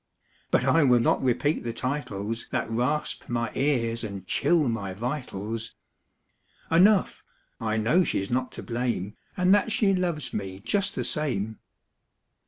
But I will not repeat the titles That rasp my ears and chill my vitals. Enough, I know she's not to blame. And that she loves me just the same."